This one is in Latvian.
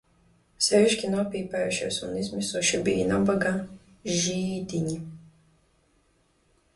Sevišķi nopīpējušies un izmisuši bij nabaga žīdiņi.